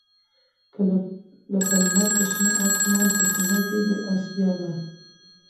لکه لــــمــر پر شــــنه آســــمـــان په ســــینـه کـــي د آســــــــــیا به